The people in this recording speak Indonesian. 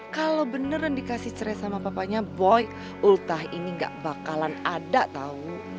kalau beneran dikasih cerai sama papanya boy ultah ini gak bakalan ada tau